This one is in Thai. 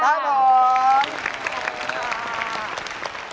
ขอบคุณค่ะ